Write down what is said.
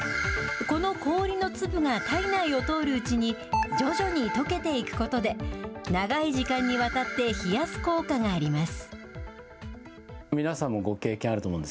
この氷の粒が体内を通るうちに徐々にとけていくことで、長い時間にわたって冷やす効果があります。